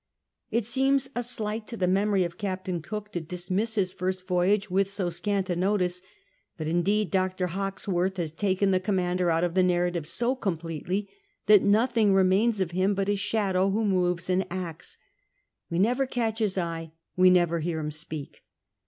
It seems a slight to the memory of Captain Cook to dismiss his fii'st voyage with so scant a notice^ but, indeed. Dr. Hawkesworth has taken the commander out of the narrative so completely that nothing remains of him but a shadow who moves and acts ; we never eatch his eye, we never hear him speak.